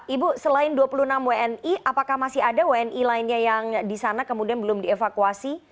ibu selain dua puluh enam wni apakah masih ada wni lainnya yang di sana kemudian belum dievakuasi